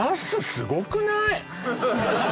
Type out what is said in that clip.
すごくない？